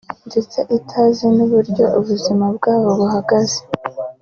ndetse itazi n’uburyo ubuzima bwabo buhagaze